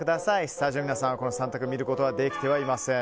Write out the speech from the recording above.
スタジオの皆さんは３択を見ることはできてはいません。